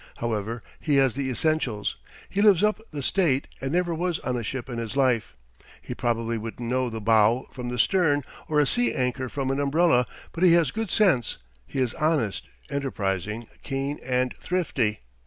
However, he has the essentials. He lives up the state, and never was on a ship in his life. He probably wouldn't know the bow from the stern, or a sea anchor from an umbrella, but he has good sense, he is honest, enterprising, keen, and thrifty.